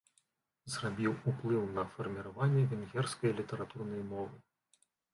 Зрабіў уплыў на фарміраванне венгерскай літаратурнай мовы.